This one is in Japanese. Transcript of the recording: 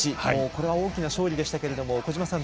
これは大きな勝利でしたけれども小島さん